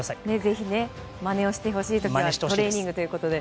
ぜひまねをするためにはトレーニングということで。